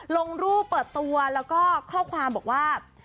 ลงรูปเปิดตัวแล้วก็ข้อความบอกว่า